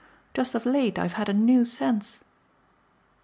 Just of late I've had a new sense!"